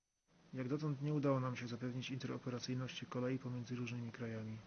Jak dotąd nie udało się nam zapewnić interoperacyjności kolei pomiędzy różnymi krajami